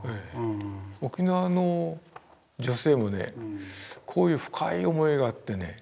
沖縄の女性もねこういう深い思いがあってね